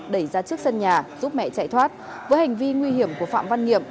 đẩy ra trước sân nhà giúp mẹ chạy thoát với hành vi nguy hiểm của phạm văn nhiệm